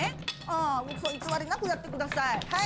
うそ偽りなくやってください。